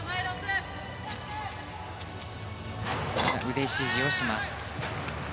腕支持をします。